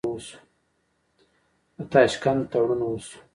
د تاشکند تړون وشو.